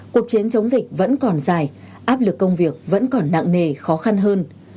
cuộc chiến chống dịch vẫn còn dài áp lực công việc vẫn còn nặng nề khó khăn hơn